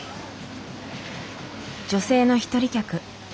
女性の一人客。